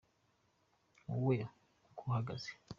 wowe kuhagaze